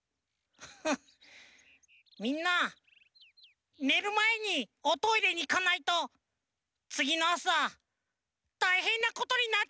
みんなねるまえにおトイレにいかないとつぎのあさたいへんなことになっちゃうよね。